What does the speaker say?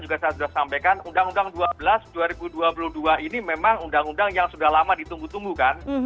saya sudah sampaikan undang undang dua belas dua ribu dua puluh dua ini memang undang undang yang sudah lama ditunggu tunggu kan